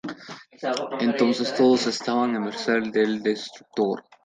Entonces todos estaban a merced del destructor.